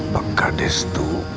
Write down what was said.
pak kardes itu